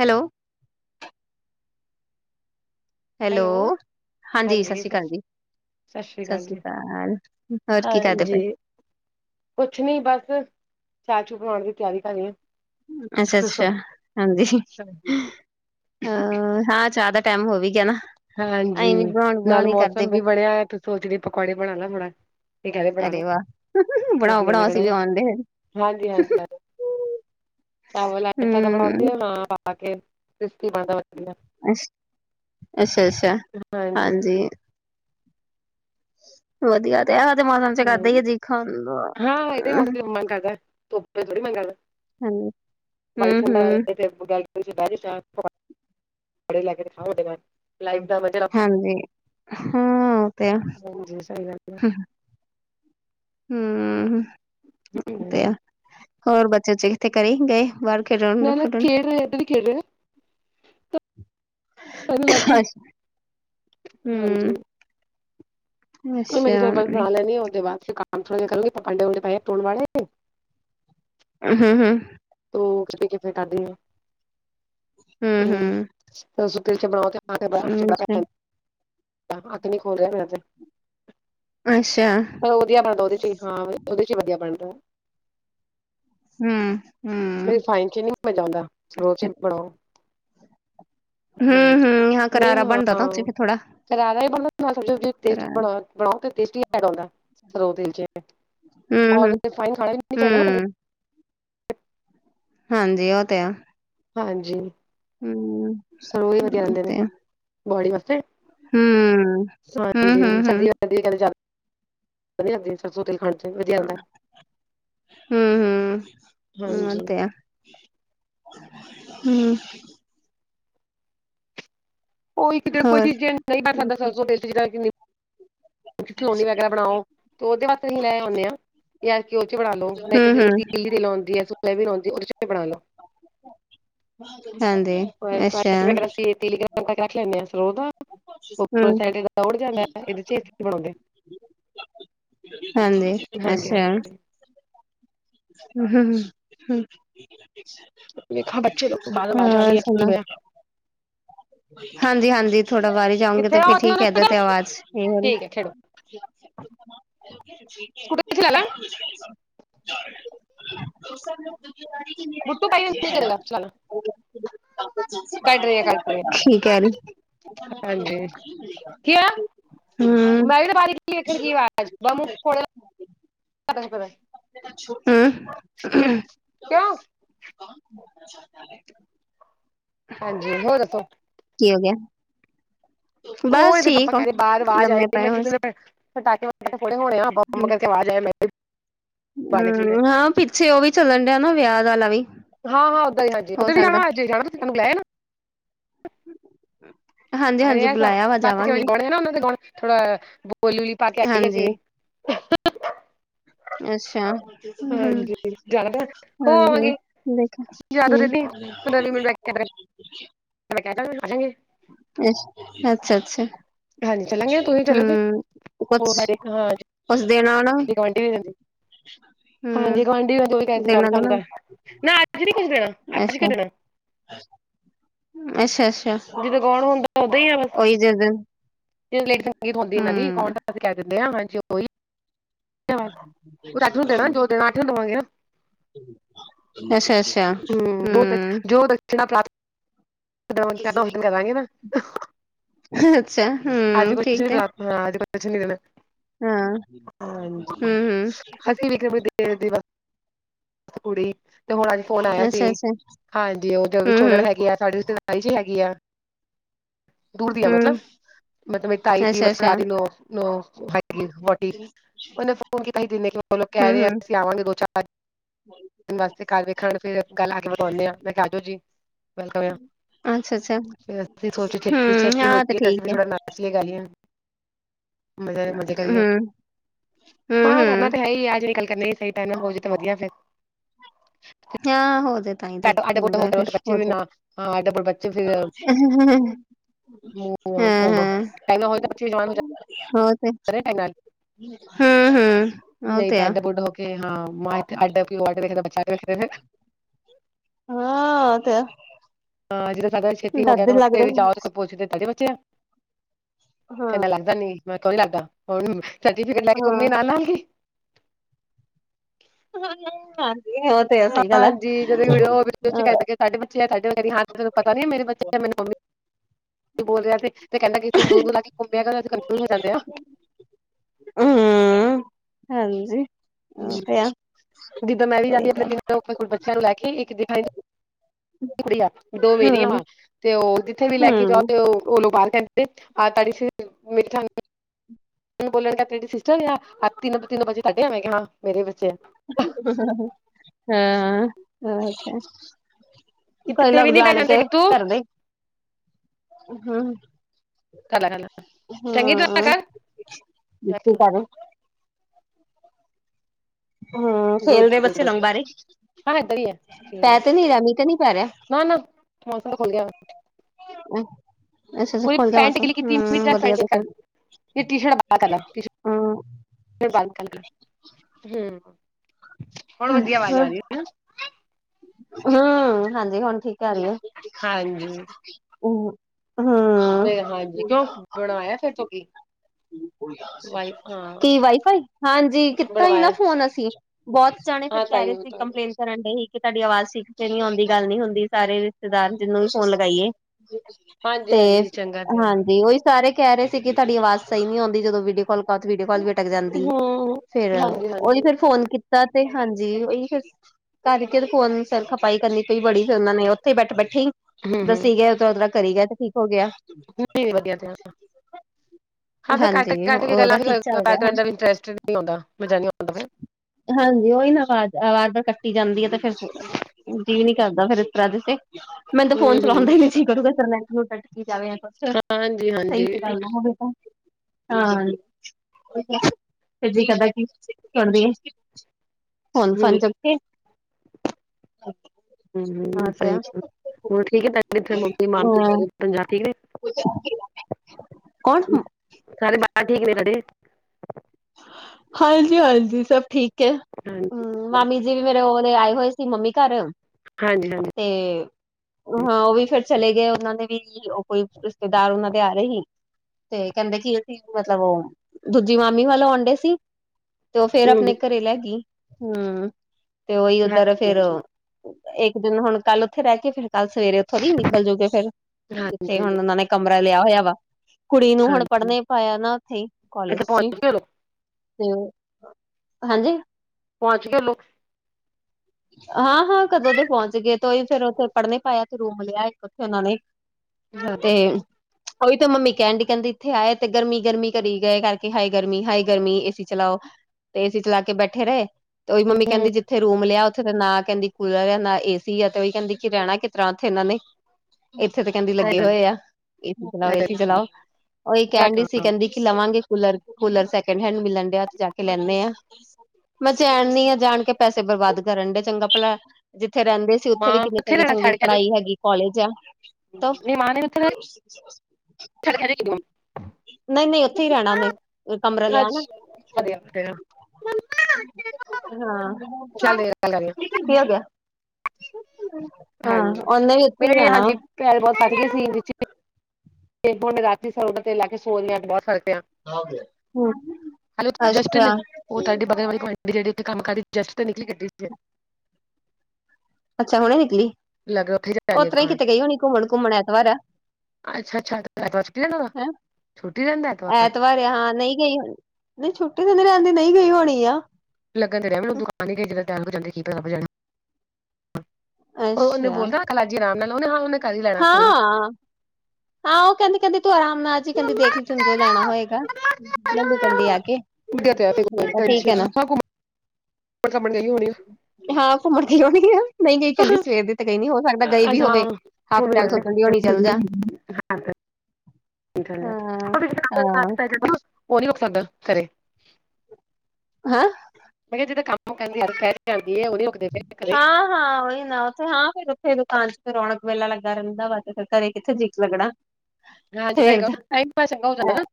Hello. Hello. ਹਾਂਜੀ ਸਸ ਰੀ ਕਾਲ ਜੀ। ਸਤਿ ਸ੍ਰੀ ਅਕਾਲ ਸਸ ਰੀ ਜੀ। ਕਾਲ, ਹੋਰ ਕੀ ਕਰਦੇ ਪਏ? ਹਾਂਜੀ। ਕੁਛ ਨੀ ਬਸ, ਚਾ- ਚੂ ਬਨੋਣ ਦੀ ਤਿਆਰੀ ਕਰ ਰੀ ਆ। ਅੱਛਾ- ਅੱਛਾ ਹਾਂਜੀ ਅ ਹਾਂ ਚਾ ਦਾ ਟੈਮ ਹੋਵੀ ਗਯਾ ਨਾ। ਅਸੀ ਹਾਂਜੀ। ਵੀ ਬਣਾਉਣ ਨਾਲ ਬਣਾਉਣੀ ਕਰਦੇ ਮੌਸਮ ਵੀ ਪਏ ਬਣਿਆ ਏ, ਸੋਚਦੀ ਪਕੌੜੇ ਬਣਾ ਲਾ ਥੋੜ੍ਹਾ ਕੀ ਕਹ ਰਏ ਬਣਾ ਅਰੇ ਲਓ। ਵਾਹ ਬਣਾਓ, ਵਧੀਆ ਬਣਾਓ ਲੱਗਣਾ ਅਸੀਂ ਵੀ ਆਉਂਦੇ ਹਾਂ। ਹਾਂਜੀ- ਹਾਂਜੀ। ਚਵਲ ਆਟਾ ਤਾਂ ਬਣਾਉਂਦੇ ਹੂੰ ਆ ਨਾ ਪਾ ਕੇ੍ਰਿਸ ਵਆ ਅੱ ਅੱਛਾ, ਅੱਛਾ ਹਾਂਜੀ ਵਧੀਆ ਤੇ ਇਹੋ ਤੇ ਮੌਸਮ ਚ ਕਰਦਾ ਹੀ ਆ ਜੀ, ਖਾਂ ਹਾਂ ਹਾਂਜੀ ਹੂੰ, ਹੂੰ [inaudible] [unintelligible] ਹਾਂਜੀ, ਹਾਂ ਉਹ ਤੇ ਆ ਹਾਂਜੀ ਸਹੀ ਗੱਲ ਹਮ ਹੈ ਤੇ ਆ, ਹੋਰ ਬੱਚੇੱਚੇ ਕਿੱਥੇ ਕਰੀ ਗਏ ਬਰ ਨਾ, ਖੇਡ ਰਹੇ ਤੇ ਖੇਡ ਰਹੇ। ਲੱਗੇ ਹੂੰ ਹਾਂਜੀ ਮੈਂ ਅੱਛਾ, ਕਿਹਾ ਚ ਬਣਾ ਲੈਦੀ ਆ, ਉਹਦੇ ਬਾਅ ਫਿਰ ਕੰ ਥੋੜਾਿ ਕਰਗੇ, ਆ ਪਾਂਦੇ ਭੁੰਡੇ ਪਏ ਧੋਣ ਵਾਲੇ ਹਮ, ਹਮ [inaudible] ਹਮ- ਹੂੰ ਹਮ [inaudible] ਅੱਛਾ ਵਧੀਆ ਬਣਦਾ ਉਹਦੇ ਚ ਹੀ, ਹਾਂ ਉਹਦੇ ਚ ਹੀ ਵਧੀਆ ਬਣਦਾ ਹਮ ਓ ਰਿਫਾਈਨ ਚ ਨਹੀਂ ਮਜ਼ਾ ਆਉਂਦਾ, ਰੋਜ਼ ਬਣਾਓ ਹਮ- ਹਾਂਜੀ ਹਮ ਹ, ਮੇਨ ਕਰਾਰਾ ਬਣਦਾ ਤ ਹਾਂ ਉੇ ਫਿਰ ਥੋੜਾ [inaudible] ਕਰਾਰਾ ਔਰ, ਹੂੰ-ਹੂੰ, ਹੂੰ, ਰਿਫਾਇੰਡ ਖਾਣਾ ਵੀ ਨਹੀਂ ਚਾਹੀਦਾ ਨਾ ਹੂੰ, ਹਾਂਜੀ, ਉਹ ਤੇ ਆ ਹਾਂਜੀ, ਹੂੰ, ਸਰੋਂ ਹੀ ਵਧੀਆ ਉਹ ਲਹਦੇ ਨੇ ਤੇ ਆ ਬੋਡੀ ਵਾਸਤੇ ਹੂੰ। ਹਾਂਜੀ, ਹੂੰ-ਹੂੰ-ਹੂੰ, ਸਰਦੀਆ ਵਦੀੀਆ ਕਦੇ ਚੱਲ ਵਧੀਆ ਲੱਗਦੀ ਸਰਸੋਂ ਤੇਲ ਖਾਣ ਚ ਵਧੀਆ ਆਦਾ, ਹਾਂਜੀ ਹਮ ਹੋਰ [inaudible] ਤੁ ਘਿਓ ਵਗੈਰਾ ਬਣਾਓ, ਤੇ ਉਹਦੇ ਵਾਸਤੇ ਅਸੀ ਲੈ ਆਉਂਦੇ ਆਾਂ ਯ ਕੇ ਉਹ ਚ ਬਣਾ ਲ ਲੋ, ਮੈਂ ਤੇ ਹੂੰ-ਹੂੰ, ਤੀਲ ਤੇ ਲਾਉਂਦੀ ਆ, ਸੋਇਆ ਵੀ ਲਾਉਂਦੀ, ਉਹ ਚ ਵੀ ਬਣਾ ਲ ਲੋ ਹਾਂਜੀ ਅੱਛਾ, [inaudible] ਹੂੰ, [inaudible] ਹਾਂਜੀ, ਹਾਂਜੀ ਅੱਛਾ ਹਾਂਜੀ। ਹਮ- ਹਮ -ਹਮ ਵੇਖਾਂ ਬੱਚੇ ਲੋਕ ਬਾਹਰ ਆਵਾਜ਼ ਆ ਰਹੀ ਹਾਂ ਹੈ ਕੀ ਸੁਣਾ ਹੋਇਆ ਹਾਂਜੀ- ਹਾਂਜੀ ਥੋੜਾ ਵਾਰ ਹੀ ਜਾਉਂਗੇ ਕਿੱਥੇ ਤੇ ਆ ਫਿਰ ਉੱਥੇ ਠੀਕ ਨਾ ਹੈ, ਏਦਾਂ ਬੇਟਾ ਤੇ ਆਵਾਜ਼ ਇਹੋਹੀ ਠੀਕ ਹੈ ਖੇਡੋ। [unintelligible] ਸਕੂਟ ਚਲਾ [unintelligible] ਬੁੱਟੂ ਭਾਈ ਨਹੀਂ ਕਰੇਗਾ ਚਲਾਣਾ ਕੱਢ ਰਹੀ ਹੈ ਕੱਢ ਰਹੀ ਹੈ। [unintelligible] ਠੀਕ ਹੈ। ਹਾਂਜੀ ਕੀ ਹੋਇਆ ਮੈਂ, ਵੀਦੇ ਬਾਰੇ ਕੀ ਵੇਖਣ ਕੀ ਆਵਾਜ਼ ਕਿਉਂ [unintelligible] ਹਾਂਜੀ, ਹੋਰ ਦਸੋ ਕੀ ਹੋ ਗਿਆ? ਉਹੀ ਤੇ, ਬਸ ਇਹਦੇ ਪਾਪਾ ਠੀਕ ਆ ਕਹਿਰੇ, ਬਾਹਦ ਆਵਾਜ਼ ਲੰਮੇ ਆਈ, ਪਏ ਮੈਂ ਹੋਏ ਸੀ। ਪਟਾਕੇਫੋੜੇ ਹੋਣੇ ਆਕੇ ਆਵਾਜ਼ ਆਏ ਮ ਹਮ ਹਾਂ, ਪਿੱਛੇ ਉਹ ਵੀ ਚੱਲਣ ਡਿਆ ਨਾ, ਵਿਆਹ ਵਾਲਾ ਵੀ ਹਾਂ-ਹਾਂ, ਉੱਦ ਹੀ ਹਾਂਜੀ, ਹੋ ਉਧਰ ਵੀ ਸਕਦਾ ਜਾਣਾ, ਹਜੀ ਜਾਣਾ, ਤੁਸੀ ਸਾਨੂੰ ਲੈ ਨਾ [inaudible] ਹਾਂਜੀ ਅ ਬੁਲਾਇਆ ਵਾ ਪੱਟ ਕੇ ਜਾਵਾਂਗੇ ਗਣੇ ਨਾ, ਉਹ ਦੇ ਗ ਥੋੜਾ ਬੋਲੀੂਲੀ ਪਾ ਕੇ ਆਈਏ ਅਸੀ ਹਾਂਜੀ ਵ [inaudible] ਅੱਛਾ, ਹਮ। ਹਾਂਜੀ ਜਾਣਾ ਤਾਂ ਹੋ ਹਾਂਜੀ, ਆਵਾਂਗੇ ਦੇਖੋ ਯਾਦ ਨਹੀਂ ਹਮ ਆਯੀ ਜਾਂਦੀ। ਤੇ ਮੈਂ ਕਹਿ ਦ ਖ ਜਾ [inaudible] ਗੇ ਅੱਛਾ-ਅੱਛਾ। ਹਾਂਜੀ ਚੱਲਾਂਗੇ ਤੁਸੀਂ ਚੱਲੋਗੇ ਹਮ ਕੁਛ-ਕੁਛ, ਦੇਣਾ ਉਹਣਾ ਜ ਵੰਡੀ ਵੀ ਜਾਂਿੰਦੀ [inaudible] ਹਾਂਜੀ, ਹਮ ਗੁਆਂਢੀ ਜੋ ਕਹਿ ਜਾ ਦੇਣਾ ਸਾਨੂੰ, ਦੋਣਾ ਤਾਂ ਨਾ ਅੱਜ ਨੀ ਕੁਛ ਦੇਣਾ, ਅੱਜ ਕਿ ਦੇਣਾ। ਅਾਂ ਅੱਛਾ-ਅੱਛਾ। ਜਿਦੋਂ ਕੌਣ ਹੁੰਦਾ, ਓਦਾਂ ਹੀ ਆ ਬਸ ਦਿਨ ਜੇ ਲੇਖ ਸੰਗੀਤ ਹੁੰਦੀ, ਇਹਨਾਂ ਦੀ ਕੌਣ, ਹਮ ਤਾਂ ਅਸੀਂ ਕਹਿ ਹਾਂ, ਉਹੀ ਅੱਠ ਨੂੰ ਦੇਣਾ, ਜੋ ਦੇਣਾ, ਅੱਠ ਨੂੰ ਦੇਵਾਂਗੇ ਨਾ ਅੱਛਾ -ਅੱਛਾ ਹੂੰ। ਪ੍ਰ ਚ ਦਿ ਕਰ ਦਾਂਗੇ ਨਾ [inaudible] ਅੱਛਾ, ਅੱਜ ਹੂੰ ਬਚੇ ਠੀਕ ਹੈ। ਹਾਂ, ਹੂੰ- ਹੂੰ। ਦਿਵਸ। ਕੁੜੀ ਤੇ ਹੁਣ ਅੱਜ ਫੋਨ ਆਇਆ ਸੀ, ਅੱਛਾ-ਅੱਛਾ, ਹਾਂਜੀ ਉਹ ਜਦ ਵੀ ਵਿੱਚੋਲਣ ਹੂੰ-ਹੂੰ, ਹੈਗੀ ਆ ਤੁਹਾਡੀ ਜੀ ਹੈਗੀ ਆ, ਦੂਰ ਦੀਆਂ ਹੂੰ, ਮਤਲਬ। ਮਤਲਬ ਮੇਰੀ ਤਾਈ ਦੀ ਮੈਂ ਅੱਛਾ-ਅੱਛਾ, ਭਰਾ ਦੀ ਨੂੰਹ ਨ ਹੈਗੀ ਵਹੁਟੀ ਉਹਨੇ ਫੋਨ ਕੀਤਾ, ਮਤਲਬ ਕਹਿ ਰਹੇ ਅਸੀਂ ਆਵਾਂਗੇ ਦੋ ਚਾਰ ਹਾਂ। ਮਸਤੇ ਕਰ ਵੇਖਣ, ਫੇਿਰ ਗੱਲ ਆ ਕੇ ਵਧਾਨਉਂਦੇ ਆਂ, ਮੈਂ ਕਿਹਾ ਆਜੋ ਜੀ। ਵੈਲਕਮ ਆ, ਅੱਛਾ-ਅੱਛਾ, ਫਿਰ ਅਸੀਂ ਸੋਚ ਰਹੇ ਛੇਤੀ - ਹੂੰ ਛੇਤੀ ਹਾਂ ਹੋਈਏ, ਤੇ ਅਸੀਂ ਵੀ ਠੀਕ ਹੈ, ਥੋੜਾ ਨਚ ਲਈਏ ਗਈਏ ਹਾਂ। ਮਜਾ ਮਜ਼ੇ ਕਰੀਏ ਹੂੰ, ਹਾਂ, ਕਰਨਾ ਹੂੰ-ਹੂੰ। ਤਾਂ ਹੈ ਹੀ, ਆ ਅੱਜ ਨਹੀ ਕਲ। ਨਹੀਂ ਤੇ ਸਹੀ ਟਾਈਮ ਹੋਜੇ ਫਿਰ, ਤਾਂ ਵਧੀਆ ਫਿਰ ਕਿਆ ਹੋਜੇ। ਤਾਂਹੀ ਦੇ ਫਿਰ ਅੱਡ ਪੁੱਡ ਹੋ ਚੰਦਾ ਕਰੋ ਫਿਰ ਤੇ ਬੱਚੇ ਵੀ ਹੋਜ ਨਾ ਹਾਂ ਅੱਡ ਪੁੱਡ ਬੱਚੇ ਉਹ ਪਹਿਲਾ ਟਾਈਮ ਨਾਲ ਹੋਜੇ ਤੇ ਬੱਚੀ ਵੀ ਜਵਾਨ ਹੋਜੇ। ਹੋ, ਤੇ ਹੂੰ -ਹੂੰ, ਉਹ ਤੇ ਆ। ਤੇ ਹਾਂ, ਮੈਂ ਇੱਥੇ ਇਹਡਾ, ਪਿਓ ਇਹਡਾ, ਦੇਖਦਾ ਬੱਚਾ ਵੇਖ ਹਾਂ ਉਹ ਤੇ ਹੈ। ਹਾਂ ਜਰਾ ਧਾਗਾ। ਛੇਤੀ ਹੋ ਗਿਆ, ਤੇ ਲੱਗਦਾ ਵੀ ਜਾਓ, ਕੋਈ ਪੁੱਛਦੇ ਤਾਡੇ ਬੱਚੇ ਆ ਹਾਂ। ਕਹਿੰਦੇ ਲੱਗਦਾ ਨੀ ਮੈਂ ਕਿਹਾ, ਕਿਉ ਨੀ ਲੱਗਦਾ, ਹੁਣ ਸਰਟੀਫਿਕੇਟ ਲੈ ਕੇ ਹਾਂ, ਘੁੰਮੀ ਨਾਲ -ਨਾਲ ਹੀ। ਹਾਂਜੀ, ਉਹ ਤੇ ਹੈ ਸਹੀ ਗੱਲ ਆ। ਹਾਂਜੀ ਜਦੋਂ ਵੀਡੀਓ ਚ ਕਹਿੰਦਾ ਕਿ ਸਾਡੇ ਬੱਚੇ ਆ, ਤੁਹਾਡੇ ਵ ਹਾਂ, ਤੇ ਤੈਨੂੰ ਪਤਾ ਨੀ, ਮੇਰੇ ਬੱਚੇ ਮੈਂਨੂੰ ਮੰਮੀ ਬੋਲ ਰਿਹਾ। ਤੇ ਕਹਿੰਦਾ ਕਿ ਸਿਦੂੰਰ ਨੂੰ ਲਾ ਕੇ ਘੁੰਮੇ ਘਰਾਂ 'ਚ ਕੰਫਿਊਜ ਹੋ ਜਾਂਦੇ ਹਾਂ ਹਮ ਹਾਂਜੀ ਹਮ ਤੇ ਆ ਜਿੱਦਾਂ ਮੈਂ ਵੀ ਸਹੀ ਜਾਂਦੀ ਗੱਲ, ਆਪਣੇ ਤਿੰਨ ਬੱਚਿਆਂ ਨੂੰ ਲੈ ਕੇ ਇੱਕ ਦਿਖਾਈ ਇਕ ਕੁੜੀਆਂ, ਦੋ ਹੂੰ। ਮੇਰੀਆਂ ਤੇ ਉਹ ਜਿੱਥੇ ਵੀ ਲੈ ਕੇ ਜਾਓ ਹੂੰ ਤੇ ਉਹ ਲੋਂ ਬਾਹਰ ਕਹਿੰਦੇ ਆਹ ਤੜ ਮਿਠਨ ਮੈਨ ਬੋਲਣ ਡਡ ਤੇਰੀ ਸਿਸਟਰ ਆ ਤਿੰਨ ਤੋਂ ਤਿੰਨ ਬਜੇ ਤਾਡੇ ਆ ਮੈਂ ਕਿਹਾ ਹਾਂ ਮੇਰੇ ਬੱਚੇ ਆ ਹਾਂ ਅਛਾ ਕਈ ਕਿਤੇ ਲੋਕ ਵੀ ਨੀ ਬਹਿ ਜਾਣ ਜਾਂਦੇ ਕੇ ਬਿੱਟੂ ਕਰਦੇ ਹਮ ਚੱਲ ਚੱਲ ਚੰਗੀ ਤਰ੍ਹਾਂ ਹਮ, ਕਰ ਕੀ ਕਰ ਰਹੇ ਹਮ, ਗੁੱਡ ਖੇਲਦੇ ਗੁੱਡ ਬੱਚੇ ਗੁੱਡ ਲੰਬਾਰੇ ਹਾਂ ਏਦਾਂ ਹੀ ਹੈ ਪੈ ਤੇ ਨੀ, ਮੀਂਹ ਤਾਂ ਨਹੀਂ ਪੈ ਰਿਹਾ‌। ਨਾ ਨਾ ਮੌਸਮ, ਖੁੱਲਿਆ। ਐੰ ਕੋਈ ਪੈਂਟ ਗੀਲੀ ਕੀਤੀ ਹੋਣੀ ਵਧੀਆ ਸੈਸ਼ਨ ਤੇ ਕਰ ਫਿਰ ਟੀਸ਼ਰਟ ਬਾਰ ਕਰ ਲੈ। ਹੂੰ ਟੀਸ਼ਰਟ ਬਾਲ ਕਾਲੇ ਕਰ ਹੁੰ, ਹੁਣ ਵਧੀਆ ਆਵਾਜ਼ ਆ ਰਹੀ। ਹਮ ਹਮ, ਹਾਂਜੀ, ਹੁਣ ਠੀਕ ਆ ਰਹੀ ਹੈ। ਹਾਂਜੀ ਹਮ ਹਾਂ ਤੇ, ਹਾਂਜੀ, ਕਿਉਂ ਬਣਾਇਆ, ਫੇਰ ਤੋਂ ਕੀ। ਵਾਈ ਹਾਂ ਕੀ, ਵਾਈ-ਫਾਈ, ਹਾਂਜੀ, ਕੀਤਾ ਹੀ ਨਾ ਬਣਵਾਇਆ ਫੋਨ ਅਸੀਂ। ਬਹੁਤ ਜਾਣੇ, ਫੇਰ ਹਾਂ ਕਹਿ ਰਹੇ ਤਾਈ ਸੀ। ਤਾਈ ਕੰਪਲੇਂਟ, ਕਰਨ ਡੇ ਕਿ ਤੁਹਾਡੀ ਆਵਾਜ਼ ਸਿੱਖ ਕੇ ਨੀ ਆਉਣ ਦੀ ਗੱਲ ਨੀ ਹੁੰਦੀ, ਸਾਰੇ ਰਿਸ਼ਤੇਦਾਰ, ਜਿਹਨੂੰ ਵੀ ਫੋਨ ਲਗਾਈਏ। ਹਾਂਜੀ ਤੇ, ਹਾਂਜੀ ਚੰਗਾ ਤੇ ਹਾਂਜੀ, ਉਹੀ ਸਾਰੇ ਕਹਿ ਰਹੇ ਸੀ ਕਿ ਤਾਡੀ ਆਵਾਜ਼ ਸਹੀ ਨੀ ਆਉਂਦੀ ਜਦੋਂ ਵੀਡੀਓ ਕਾਲ ਕ ਵੀਡੀਓ ਕਾਲ ਵੀ ਅਟਕ ਜਾਂਦੀ। ਹੂੰ ਫੇਰ ਹਾਂਜੀ ਉਹਦੀ ਹਾਂਜੀ ਫਿਰ ਫੋਨ ਕੀਤ ਸਾਤੇ ਹਾਂਜੀ, ਉਹੀ ਫੇਰ ਕਰਕੇ ਫੋਨ ਸਿਰ ਖਪਾਈ ਕਰਨੀ ਪਈ ਬੜੀ ਉਹਨਾ, ਨੇ ਉੱਥੇ ਹੀ ਬੈਠੇ ਬੈਠੇ ਹੂੰ ਹੂੰ ਦੱਸੀ ਗਏ ਉਹ ਅਲੱਗ ਕਰੀ ਗਿਆ ਤੇ ਠੀਕ ਹੋ ਗਿਆ। ਨਹੀ ਵਧੀਆ, ਤਾਂ ਹਾਂ, ਫੇਰ ਕੱਟ ਕੇ ਹਾਂਜੀ ਕਟ ਕੇ ਗੱਲਾਂ, ਉਹਦਾ ਠੀਕ ਚੱਲ ਰਿਹਾ ਹੁਣ ਇੰਟਰਸਟ ਨੀ ਆਉਂਦਾ, ਮਜਾ ਨੀ ਆਂਦਾ ਫਿਰ ਹਾਂਜੀ, ਉਹੀ ਨਾ ਆਵਾਜ਼ ਆਵਾਜ਼, ਕੱਟੀ ਜਾਂਦੀ ਹੈ। ਤੇ ਜੀਅ ਨੀ ਕਰਦਾ ਫਿਰ ਇਸ ਤਰ੍ਹਾਂ ਦੇ, ਮੈਨੂੰ ਤਾਂ ਫੋਨ ਹੂੰ ਹੂੰ ਚਲਾਉਂਦਾ ਹੀ ਨਹੀਂ ਕਿ, ਕਰੂਗਾ ਸਰਨੈ ਨੂੰ ਡਟਕ ਜਾਵੇ ਜਾਂ ਕੁਛ, ਹਾਂਜੀ ਸਹੀ ਹਾਂਜੀ ਸੇ ਗੱਲ ਨਾ ਹੋਵੇ ਤਾਂ, ਹਾਂ, ਉਹੀ ਤਾਂ ਫਿਰ ਜੀ ਕਰਦਾ ਕਿ ਗਿਫਟ ਕਰਦੀਏ। ਫੋਨ ਹੂੰ ਫਾਨ ਚਕੀ ਹਮ -ਹਮ, ਸਹੀ ਗੱਲ ਹੁਣ ਠੀਕ ਨੇ ਇਥੇ ਮੰਮੀ ਮਾਮੀ ਸਾਰੇ ਪੰਜਾਬ ਠੀਕ ਨੇ ਕੌਣ ਹੂੰ ਸਾਰੇ, ਮਾਤਾ ਠੀਕ ਨੇ ਤੁਹਾਡੇ ਹਾਂਜੀ-ਹਾਂਜੀ ਸਭ ਠੀਕ ਹੈ, ਹਾਂਜੀ ਹਮ, ਮਾਮੀ ਜੀ ਵੀ ਮੇਰੇ ਉਹ ਵਾਲੇ ਆਏ ਹੋਏ। ਤੁਸੀਂ ਮੰਮੀ ਘਰ ਹਾਂਜੀ -ਹਾਂਜੀ ਤੇ ਹਾਂ ਉਹ ਵੀ ਫਿਰ ਚਲੇ ਗਏ। ਉਹਨਾਂ ਦੇ ਵੀ ਉਹ ਕੋਈ ਰਿਸ਼ਤੇਦਾਰ ਉਹਨਾਂ ਤੇ ਆ ਰਹੇ ਸੀ ਤੇ ਕਹਿੰਦੇ, ਕੀ ਅਸੀ ਮਤਲਬ, ਦੂਜੀ ਮਾਮੀ ਮੰਮੀ, ਵੱਲ ਆਉਣ ਦੇ ਸੀ। ਤੇ, ਉਹ ਫਿਰ ਹੂੰ ਆਪਣੇ ਘਰੇ ਲੈ ਗਈ। ਹਮ, ਤੇ ਉਹੀ ਹੂੰ ਉਧਰ ਹਾਂਜੀ ਫੇਰ ਹਾਂਜੀ ਇੱਕ ਦਿਨ ਹੁਣ ਕੱਲ ਉੱਥੇ ਰੈ ਕੇ ਫਿਰ ਕੱਲ ਸਵੇਰੇ ਉੱਥੋਂ ਦੀ ਨਿਕਲ ਜੂਗੇ ਫਿਰ ਜਿੱਥੇ ਹਾਂਜੀ ਹੁਣ ਉਹਨਾਂ ਨੇ ਕਮਰਾ ਲਿਆ ਹੋਇਆ ਵਾ। ਕੁੜੀ ਨੂੰ ਹੁਣ ਹਾਂਜੀ ਪੜ੍ਹਨੇ ਪਾਇਆ ਨਾ ਉੱਥੇ ਕੋਲਜ ਅੱਛਾ 'ਚ ਪਹੁੰਚ ਗਏ ਲੋਕ ਤੇ ਓ ਹਾਂਜੀ। ਪਹੁੰਚ ਗਏ ਲੋਕ ਹਾਂ-ਹਾਂ ਕਦੋਂ ਦੇ ਪਹੁੰਚ ਗਏ ਤੇ ਈ ਫਿਰ ਉੱਥੇ ਪੜ੍ਹਨੇ ਪਾਇਆ ਤੇ ਰੂਮ ਲਿਆ ਇੱਕ ਉੱਥੇ ਉਹਨਾਂ ਨੇ ਤੇ ਹਾਂਜੀ ਉਹੀ ਤਾਂ ਮੰਮੀ ਕੈਂਣ ਡੀ ਕੈਂਦੀ ਇੱਥੇ ਆਏ ਤੇ ਗਰਮੀ-ਗਰਮੀ ਕਰੀ ਗਏ ਕਰਕੇ ਹਾਏ ਗਰਮੀ ਹਾਏ ਗਰਮੀ ਏਸੀ ਚਲਾਓ। ਤੇ ਏਸੀ ਚਲਾ ਕੇ ਬੈਠੇ ਰਏ ਤੇ ਉਹੀ ਮੰਮੀ ਹੂੰ ਕੈਂਦੀ ਜਿੱਥੇ ਰੂਮ ਲਿਆ। ਤੇ ਨਾ ਕੈਂਦੀ ਕੂਲਰ ਆ ਨਾ ਏਸੀ ਆ ਤੇ ਉਹੀ ਕੈਂਦੀ ਕਿ ਰੈਣਾ ਕਿ ਤਰ੍ਹਾਂ ਉੱਥੇ ਇਹਨਾਂ ਨੇ ਇੱਥੇ ਤੇ ਕੈਂਦੀ ਸਹੀ ਲੱਗੇ ਗੱਲ ਹੋਏ ਆ ਏਸੀ ਚਲਾਓ ਸਹੀ ਏਸੀ ਗੱਲ ਚਲਾਓ ਉਹੀ ਜਾ ਕੈਣ ਡਈ ਸੀ ਕੈਂਦੀ ਕੀ ਲਵਾਂਗੇ ਕੂਲਰ-ਕੂਲਰ ਸੈਕਿੰਡ ਹੈਂਡ ਮਿਲਣ ਡਾਇਆ ਉਥੇ ਜਾ ਕੇ ਲੈਂਣੇ ਆਂ। ਮੈਂ ਚੈਣ ਨੀ ਆ ਜਾਣ ਕੇ ਪੈਸੇ ਬਰਬਾਦ ਕਰਨ ਡੇ ਚੰਗਾ ਭਲਾ ਜਿੱਥੇ ਰੈਂਦੇ ਸ ਤੇ ਉੱਥੇ ਵੀ ਮਾਂ ਕਿੰਨੇ ਕਿੱਥੇ ਰਹਿਣਾ ਚੰਗੇ-ਚੰਗੇ ਛੱਡ ਕੇ ਪੜ੍ਹਾਈ ਆਜੂਗੀ ਹੈਗੀ ਕੋਲਜ ਆ ਤ ਨਹੀਂ ਮਾਂ ਨੇ ਉੱਥੇ [inaudible] ਨਈ-ਨਈ ਉੱਥੇ ਈ ਰੈਂਣਾ ਉਨੇ ਅ ਕਮਰਾ ਲਿਆ ਨਾ। ਮੰਮਾ ਹਾਂ ਕਰਿਓ ਕੀ ਹੋ ਗਿਆ। ਹਾਂਜੀ ਹਾਂ ਉਨੇ ਵੀ ਇੱਥੇ ਈ ਮੇਰੇ ਰੈਂਣਾ ਹਾਂਜੀ ਵਾ। ਪੈਰ ਬੋਤ ਫਟ ਗੇ ਸੀ ਵਿਚ [unintelligible] ਹੁਣ ਰਾ ਸਰੋ ਦਾ ਤੇਲ ਲਾ ਕੇ ਸੋ ਦੇ ਆਂ ਬੈ ਸਕਦੇ ਆਂ ਹੂੰ ਹੈਲੋ ਜਸਟਿਨ ਅੱਛਾ ਓ ਤੁਹਾਡੀ ਬਗਲ ਵਾਲੀ ਗਵਾਂਢੀ ਜੇੜੀ ਉੱਥੇ ਕੰਮ ਕਰ ਰਈਜਸਟ ਨਿਕਲੀ ਗੱਡੀ 'ਚ ਅੱਛਾ ਹੁਣੇ ਨਿਕਲੀ ਲੱਗ ਉੱਥੇ ਜਾ ਓ ਰਹੀ ਹੈ ਤਰ੍ਹਾਂ ਈ ਕਿੱਥੇ ਗਈ ਹੋਣੀ ਘੁੰਮਣ-ਘੁੰਮਣ ਐਤਵਾਰ ਆ। ਅੱਛਾ-ਅੱਛਾ ਐਤਵਾਰ ਛੁੱਟੀ ਲੈਦਾ ਵਾ ਛੁੱਟੀ ਲੈਂਦਾ ਐਤਵਾਰ ਬਾਰੇ ਹਾਂ ਨਈ ਗਈ ਹੋ ਨਈ ਛੁੱਟੀ ਤੇ ਨ ਰੈਂਦੀ ਨਈ ਗਈ ਹੋਣੀ ਆ। ਲੱਗਣ ਤੇ ਰਿਆ ਮੈਨੂੰ ਦੁਕਾਨ ਕਈ ਜਗ੍ਹਾ ਜਾਂਦੇ ਕੀ ਪਤਾ ਓ ਉਨੇ ਬੋਲਦਾ ਕਲਾ ਜੀ ਆਰਾਮ ਨਾਲ ਉਨੇ ਹਾ ਉਨੇ ਹਾਂ-ਹਾਂ ਓ ਕੈਂਦੀ-ਕੈਂਦੀ ਤੂੰ ਆਰਾਮ ਨਾਲ ਕਦੀ ਦੇਖ ਲਈ ਚੁਣ ਜੇ ਲੈਣਾ ਹੋਏਗਾ ਲੈ ਲੀ ਕਦੀ ਆ ਕੇ। ਮੈਂ ਕਿਹਾ ਠੀਕ ਹੈ ਟੇਸਨ ਨਾ ਹਾਂ ਘੁੰਮਣ ਘਾਮਣ ਗਈ ਹੋਣੀ ਆ। ਹਾਂ ਘੁੰਮਣ ਗੀ ਹੋਣੀ ਆ ਨਈ ਗਈ ਕੈਂਦੀ ਸਵੇਰ ਦੀ ਤੇ ਗਈ ਨੀ ਹੋ ਸਕਦਾ ਅ- ਗਈ ਅੱਜ ਵੀ ਹੋਵੇ। ਹਾਫ ਟਾਈਮ ਸੁੱਤਣ ਦੀ ਹੋਣੀ ਚੱਲ ਜਾ [inaudible] ਹਾਂ ਹਾਂ [unintelligible] ਓ ਨੀ ਰੁਕ ਸਕਦਾ ਘਰੇ ਹਾਂ ਮੈਂ ਕਿਆ ਜਿਦਾ ਕੰਮ ਕੁਮ ਦੀਆਦਤ ਪੈ ਜਾਂਦੀ ਐ ਓ ਨੀ ਰੁਕਦੇ ਫਿਰ ਘਰੇ ਹਾਂ ਹਾਂ ਉਈ ਨਾ ਉੱਥੇ ਹਾਂ ਫਿਰ ਉੱਥੇ ਦੁਕਾਨ 'ਚ ਫਿਰ ਰੌਣਕ ਵੇਲਾ ਲੱਗਾ ਰੈਂਦਾ ਵਾ ਫਿਰ ਘਰੇ ਕਿੱਥੇ ਜੀ ਕ ਲੱਗਣਾ। ਹਾਂਜੀ ਸਈ ਸਵੇਰ ਕਹੋ ਦਾ ਟਾਈਮ ਪਾਸ ਚੰਗਾ ਹੋ ਜਾਂਦਾ ਨਾ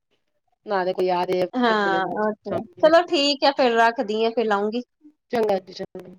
ਨਾਲੇ ਕੋਈ ਆ। ਹਾਂ ਅੱਛਾ ਚਲੋ ਠੀਕ ਐ ਫੇਰ ਰੱਖਦੀ ਆ ਫੇਰ ਲਊਗੀ। ਚੰਗਾ ਜੀ ਚੰਗਾ।